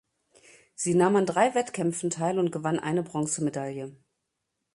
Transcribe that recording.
Sie nahm an drei Wettkämpfen teil und gewann eine Bronzemedaille.